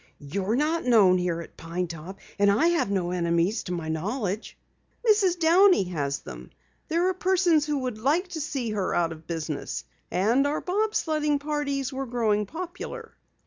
"You're not known here at Pine Top, and I have no enemies to my knowledge." "Mrs. Downey has them. There are persons who would like to see her out of business. And our bob sledding parties were growing popular."